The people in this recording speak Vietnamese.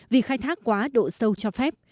vì khai thác quá độ sâu cho phép